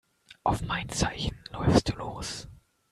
Auf mein Zeichen läufst du los.